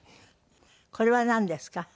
これはなんですか？